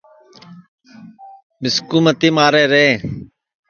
مِسکُو متی مارے رے